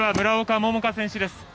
村岡桃佳選手です。